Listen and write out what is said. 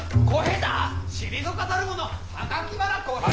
退かざる者原小平太！